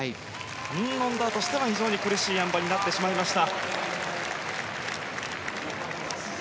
オンダーとしては非常に苦しいあん馬となってしまいました。